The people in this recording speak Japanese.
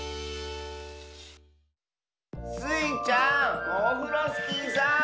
スイちゃんオフロスキーさん。